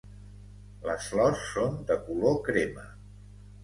Les flors són de color crema.